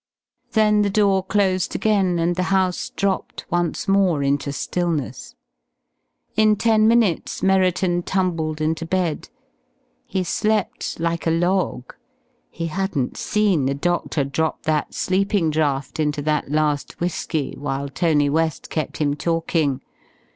Then the door closed again, and the house dropped once more into stillness. In ten minutes Merriton tumbled into bed. He slept like a log.... He hadn't seen the doctor drop that sleeping draught into that last whisky while Tony West kept him talking.